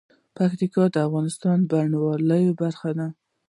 پکتیکا د افغانستان د بڼوالۍ برخه ده.